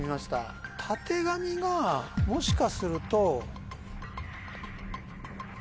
たてがみがもしかすると。